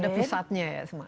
ada pusatnya ya semua